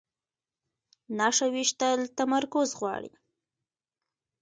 نښه ویشتل تمرکز غواړي